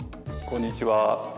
こんにちは。